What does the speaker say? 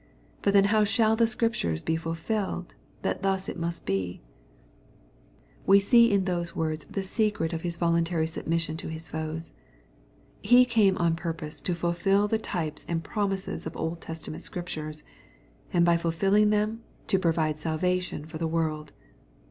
But how then shall the Scriptures be fulfilled, that thus it must be ?" We see in those words the secret of His voluntary submission to His foes. He came on purpose to fulfil the types and promises of Old Testament Scriptures, and by fulfilling them to provide salvation for the world.